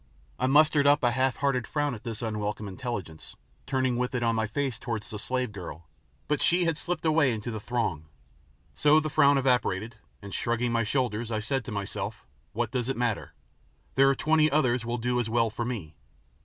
I mustered up a half hearted frown at this unwelcome intelligence, turning with it on my face towards the slave girl; but she had slipped away into the throng, so the frown evaporated, and shrugging my shoulders I said to myself, "What does it matter? There are twenty others will do as well for me.